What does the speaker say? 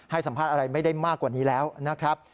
สัมภาษณ์อะไรไม่ได้มากกว่านี้แล้วนะครับ